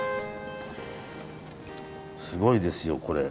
すごいですよこれ。